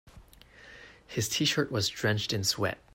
His t-shirt was drenched in sweat.